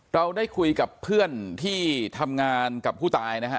เราได้คุยกับเพื่อนที่ทำงานกับผู้ตายนะฮะ